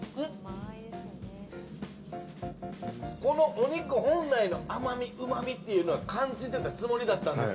このお肉本来の甘み、うまみっていうのは感じてたつもりだったんです。